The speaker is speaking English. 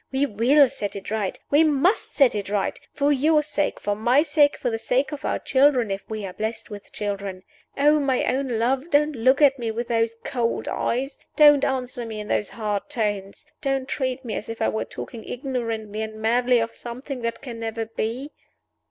We will set it right! We must set it right for your sake, for my sake, for the sake of our children if we are blessed with children. Oh, my own love, don't look at me with those cold eyes! Don't answer me in those hard tones! Don't treat me as if I were talking ignorantly and madly of something that can never be!"